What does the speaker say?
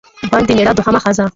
بن د مېړه دوهمه ښځه